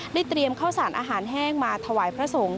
เตรียมข้าวสารอาหารแห้งมาถวายพระสงฆ์